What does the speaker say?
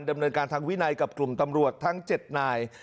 ดำเนินการทางวินัยกับกลุ่มตำรวจทั้ง๗นาย